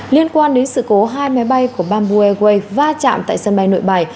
liên quan đến sự cố hai máy bay của bamboo airways va chạm tại sân bay nội bài